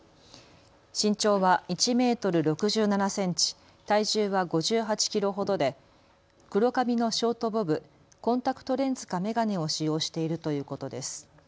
身長は１メートル６７センチ、体重は５８キロほどで黒髪のショートボブ、コンタクトレンズか眼鏡を使用しているということです。